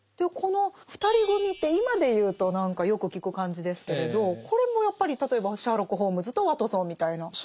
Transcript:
この２人組って今で言うと何かよく聞く感じですけれどこれもやっぱり例えばシャーロック・ホームズとワトソンみたいな。